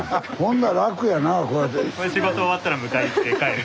仕事終わったら迎えに行って帰る。